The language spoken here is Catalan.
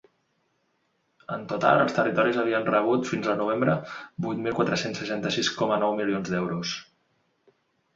En total els territoris havien rebut fins al novembre vuit mil quatre-cents seixanta-sis coma nou milions d’euros.